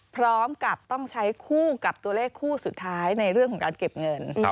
พร้อมกับต้องใช้คู่กับตัวเลขคู่สุดท้ายในเรื่องของการเก็บเงิน